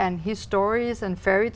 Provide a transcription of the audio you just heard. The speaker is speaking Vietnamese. chúng tôi ăn nhiều thịt